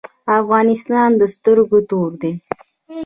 افغانستان د سترګو تور دی